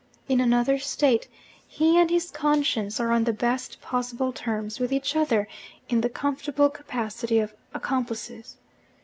In another state, he and his conscience are on the best possible terms with each other in the comfortable capacity of accomplices.